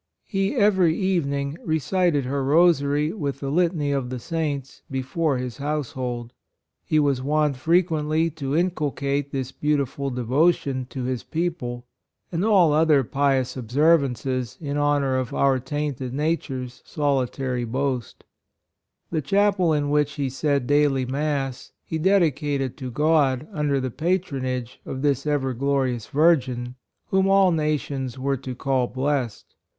He, every evening, recited her Rosary with the Litany of the Saints before his household. He was wont fre quently to inculcate this beautiful devotion to his people, and all other pious observances in honor of " our tainted nature's solitary boast." IMITATION OF THE SAINTS. Ill The chapel in which he said daily mass, he dedicated to God under the patronage of this ever glorious Virgin " whom all nations were to call blessed."